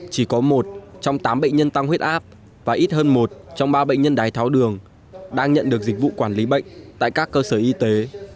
chỉ có một trong tám bệnh nhân tăng huyết áp và ít hơn một trong ba bệnh nhân đái tháo đường đang nhận được dịch vụ quản lý bệnh tại các cơ sở y tế